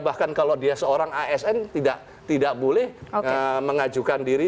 bahkan kalau dia seorang asn tidak boleh mengajukan diri